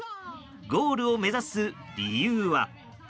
ゴールを目指す理由は。